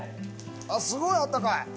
あっすごいあったかい！